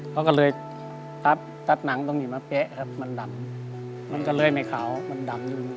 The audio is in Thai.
เขาก็เลยตัดหนังตรงนี้มาเป๊ะครับมันดำมันก็เลยไม่ขาวมันดำอยู่